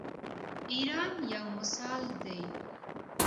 ایران یو مثال دی.